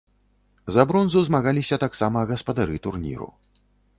За бронзу змагаліся таксама гаспадары турніру.